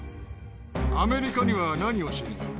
アメリカには何をしに？